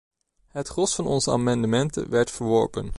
Het gros van onze amendementen werd verworpen.